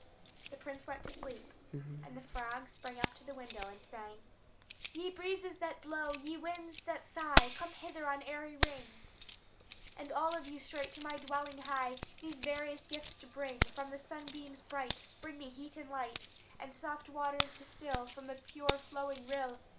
The prince went to sleep; and the frog sprang up to the window, and sang: "Ye breezes that blow, ye winds that sigh, Come hither on airy wing; And all of you straight to my dwelling hie, These various gifts to bring. From the sunbeams bright Bring me heat and light; And soft waters distil From the pure flowing rill.